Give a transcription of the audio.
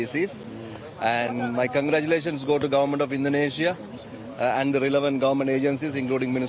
dan saya mengucapkan selamat datang kepada pemerintah indonesia dan agensi agensi pemerintah yang penting